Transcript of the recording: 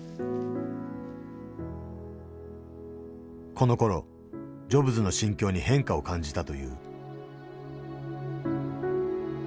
このころジョブズの心境に変化を感じたという。